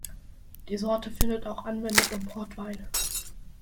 Die Sorte findet auch Anwendung im Portwein.